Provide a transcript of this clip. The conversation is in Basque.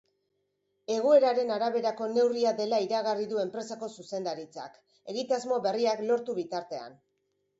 Egoeraren araberako neurria dela iragarri du enpresako zuzendaritzak, egitasmo berriak lortu bitartean.